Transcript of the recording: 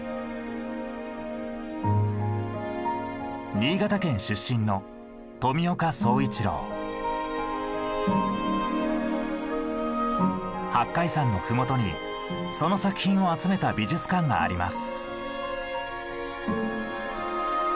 新潟県出身の八海山の麓にその作品を集めた美術館があります。